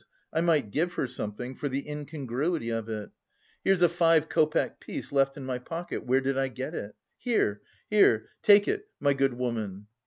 I might give her something, for the incongruity of it. Here's a five copeck piece left in my pocket, where did I get it? Here, here... take it, my good woman!"